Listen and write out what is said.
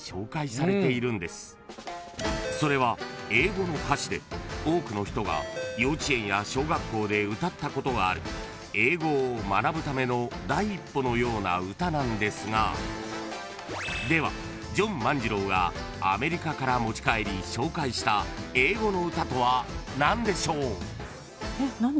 ［それは英語の歌詞で多くの人が幼稚園や小学校で歌ったことがある英語を学ぶための第一歩のような歌なんですがではジョン万次郎がアメリカから持ち帰り紹介した英語の歌とは何でしょう？］